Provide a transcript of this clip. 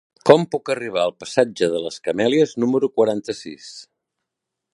Com puc arribar al passatge de les Camèlies número quaranta-sis?